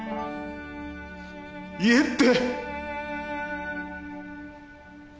言えって！